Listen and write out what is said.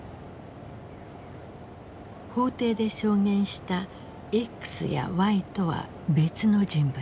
法廷で証言したＸやＹとは別の人物。